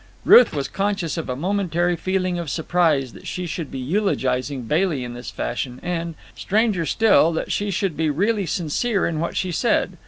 Ruth was conscious of a momentary feeling of surprise that she should be eulogizing Bailey in this fashion, and—stranger still—that she should be really sincere in what she said.